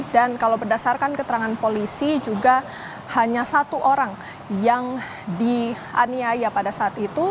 kalau berdasarkan keterangan polisi juga hanya satu orang yang dianiaya pada saat itu